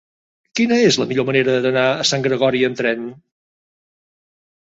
Quina és la millor manera d'anar a Sant Gregori amb tren?